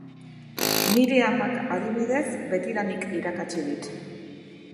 Nire amak, adibidez, betidanik irakatsi dit.